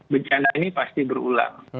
bencana ini pasti berulang